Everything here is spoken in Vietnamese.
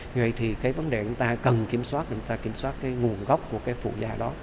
như vậy thì cái vấn đề chúng ta cần kiểm soát để chúng ta kiểm soát cái nguồn gốc của cái phụ da đó